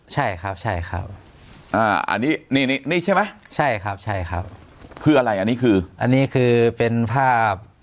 ใช่ครับใช่ครับอ่าอันนี้นี่นี่ใช่ไหมใช่ครับใช่ครับคืออะไรอันนี้คืออันนี้คือเป็นภาพ